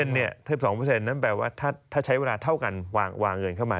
๒นั้นแปลว่าถ้าใช้เวลาเท่ากันวางเงินเข้ามา